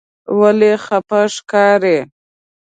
ولې خپه ښکارې؟